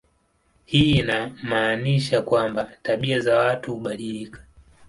Hii inamaanisha kwamba tabia za watu hubadilika.